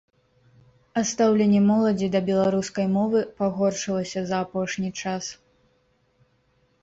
А стаўленне моладзі да беларускай мовы пагоршылася за апошні час.